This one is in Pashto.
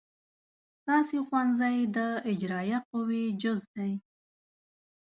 ستاسې ښوونځی د اجرائیه قوې جز دی.